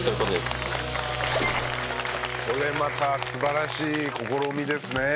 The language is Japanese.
これまた素晴らしい試みですね。